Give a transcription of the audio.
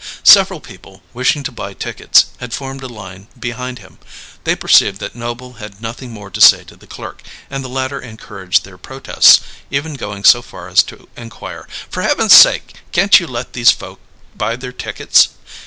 Several people, wishing to buy tickets, had formed a line behind him; they perceived that Noble had nothing more to say to the clerk, and the latter encouraged their protests, even going so far as to inquire: "For heaven's sakes, can't you let these folk buy their tickets?"